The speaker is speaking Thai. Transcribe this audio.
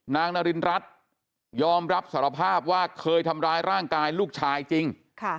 นางนารินรัฐยอมรับสารภาพว่าเคยทำร้ายร่างกายลูกชายจริง